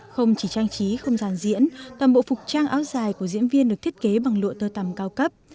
không chỉ trang trí không gian diễn toàn bộ phục trang áo dài của diễn viên được thiết kế bằng lụa tơ tầm cao cấp